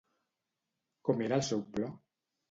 Com era el seu plor?